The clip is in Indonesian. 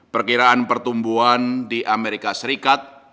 perkiraan pertumbuhan di amerika serikat